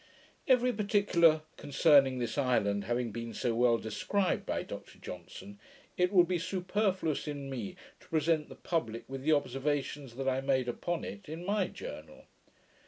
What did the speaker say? Every particular concerning this island having been so well described by Dr Johnson, it would be superfluous in me to present the publick with the observations that I made upon it, in my Journal.